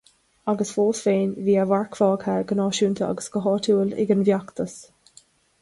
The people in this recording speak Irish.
Ach fós féin, bhí a mharc fágtha go náisiúnta agus go háitiúil ag an bhfeachtas.